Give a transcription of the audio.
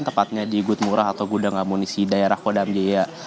tepatnya di good murah atau gudang amunisi daerah kodam jaya